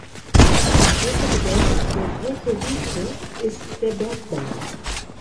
Von großer Bedeutung für Polkowice ist der Bergbau.